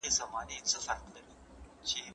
که لارې خلاصې شي تجارت به پیل شي.